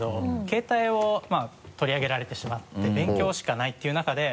携帯を取り上げられてしまって勉強しかないっていう中で。